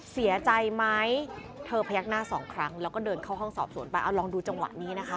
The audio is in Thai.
เสียใจไหมเธอพยักหน้าสองครั้งแล้วก็เดินเข้าห้องสอบสวนไปเอาลองดูจังหวะนี้นะคะ